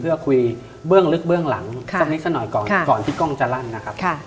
เพื่อคุยเบื้องลึกเบื้องหลังสักนิดสักหน่อยก่อนก่อนที่กล้องจะลั่นนะครับ